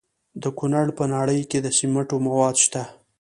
د کونړ په ناړۍ کې د سمنټو مواد شته.